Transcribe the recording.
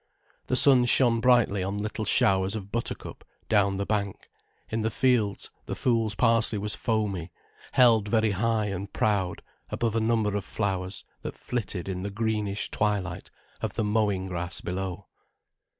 The sun shone brightly on little showers of buttercup down the bank, in the fields the fool's parsley was foamy, held very high and proud above a number of flowers that flitted in the greenish twilight of the mowing grass below.